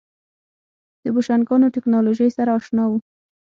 د بوشنګانو ټکنالوژۍ سره اشنا وو.